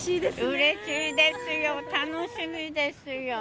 うれしいですよ、楽しみですよ。